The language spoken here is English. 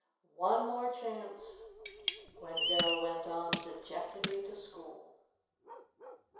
One more chance!" Wendell went on dejectedly to school.